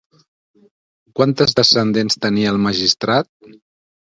Quantes descendents tenia el magistrat?